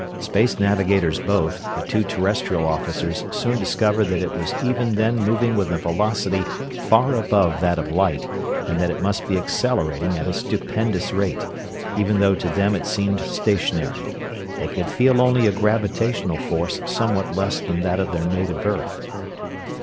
Space navigators both, the two Terrestrial officers soon discovered that it was even then moving with a velocity far above that of light and that it must be accelerating at a stupendous rate, even though to them it seemed stationary they could feel only a gravitational force somewhat less than that of their native earth.